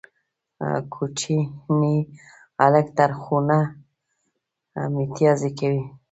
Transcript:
کوچنی هلک تر خوټه ميتيازې کوي